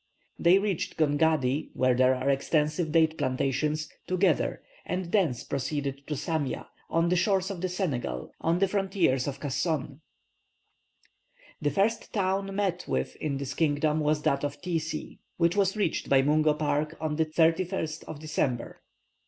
They reached Gongadi, where there are extensive date plantations, together, and thence proceeded to Samia, on the shores of the Senegal, on the frontiers of Kasson. The first town met with in this kingdom was that of Tiesie, which was reached by Mungo Park on the 31st of December.